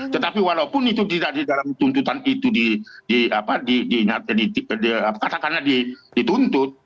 tetapi walaupun itu tidak di dalam tuntutan itu di apa di katakannya dituntut